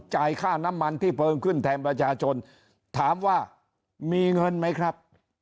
จ่ายค่าน้ำมันที่เพิ่มขึ้นแทนประชาชนถามว่ามีเงินไหมครับ